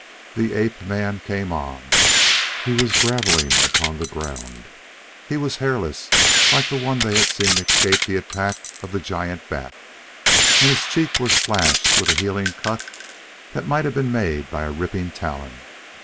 The ape man came on; he was grovelling upon the ground. He was hairless, like the one they had seen escape the attack of the giant bat, and his cheek was slashed with a healing cut that might have been made by a ripping talon.